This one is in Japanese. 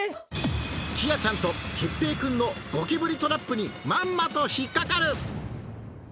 きあちゃんときっぺいくんのゴキブリトラップにまんまと引っ掛かる